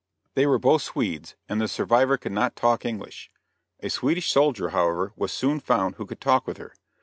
They were both Swedes, and the survivor could not talk English. A Swedish soldier, however, was soon found who could talk with her.